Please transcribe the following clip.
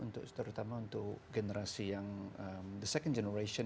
terutama untuk generasi yang the second generation